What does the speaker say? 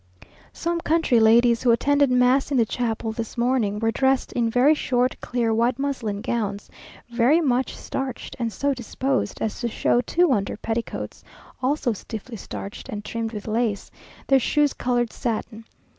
Some country ladies, who attended mass in the chapel this morning, were dressed in very short clear white muslin gowns, very much starched, and so disposed as to show two under petticoats, also stiffly starched, and trimmed with lace, their shoes coloured satin.